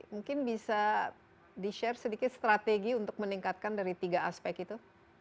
mungkin bisa di share sedikit strategi untuk meningkatkan dari tiga aspek itu